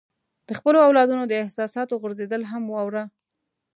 د خپلو اولادونو د احساساتو غورځېدل هم واوره.